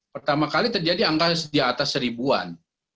pertama kali terjadi angka di atas seribuan